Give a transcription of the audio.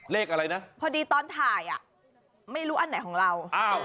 เลขอะไรนะพอดีตอนถ่ายอ่ะไม่รู้อันไหนของเรา